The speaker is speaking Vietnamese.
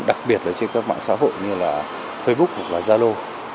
đặc biệt là trên các mạng xã hội như là facebook và zalo